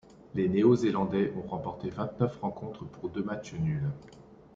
Les Néo-Zélandais ont remporté vingt-neuf rencontres pour deux matchs nuls.